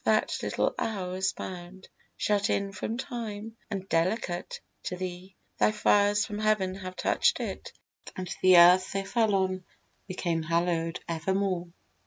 That little hour was bound, Shut in from Time, and dedicate to thee; Thy fires from heav'n had touch'd it, and the earth They fell on became hallow'd evermore.